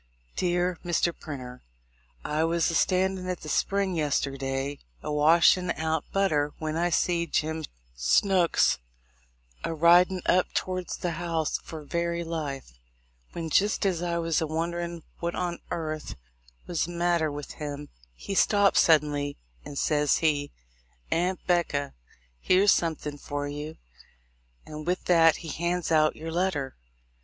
Dear Mr. Printer: I was a standin' at the spring yesterday a wash in' out butter when I seed Jim Snooks a ridin' up towards the house for very life, when, jist as I was a wonderin' what on airth was the matter with him, he stops suddenly, and ses he, "Aunt 'Becca, here's somethin' for you;" and with that he hands out your letter.